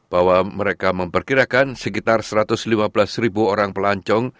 bahwa mereka memperkirakan sekitar satu ratus lima belas ribu orang pelancong